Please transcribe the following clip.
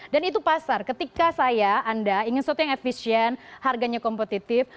dan itu pasar ketika saya anda ingin sesuatu yang efisien harganya kompetitif